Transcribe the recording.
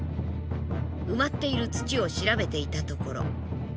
埋まっている土を調べていたところ。